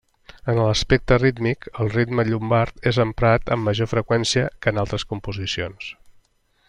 En l'aspecte rítmic, el ritme llombard és emprat amb major freqüència que en altres composicions.